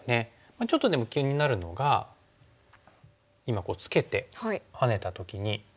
ちょっとでも気になるのが今ツケてハネた時に切って１目取られたら。